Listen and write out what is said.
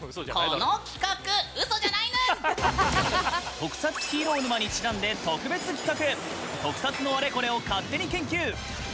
「特撮ヒーロー沼」にちなんで特別企画！